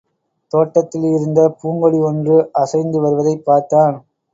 தோட்டத்தில் இருந்த பூங்கொடி ஒன்று அசைந்து வருவதைப் பார்த்தான்.